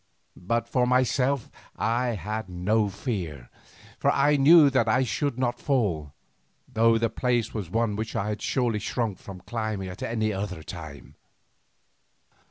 But for myself I had no fear, for I knew that I should not fall, though the place was one which I had surely shrunk from climbing at any other time.